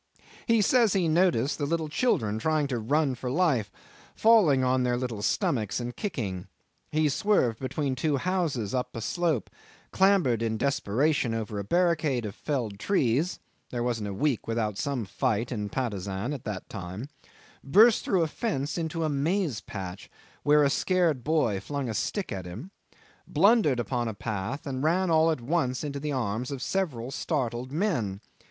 He says he noticed the little children trying to run for life, falling on their little stomachs and kicking. He swerved between two houses up a slope, clambered in desperation over a barricade of felled trees (there wasn't a week without some fight in Patusan at that time), burst through a fence into a maize patch, where a scared boy flung a stick at him, blundered upon a path, and ran all at once into the arms of several startled men.